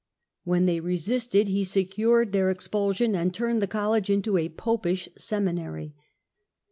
When they resisted he secured their ex pulsion, and turned the college into a " Popish seminary".